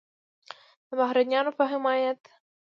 د بهرنیانو په حمایت